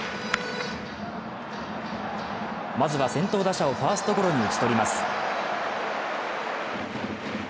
まずは先頭打者をファーストゴロに打ち取ります。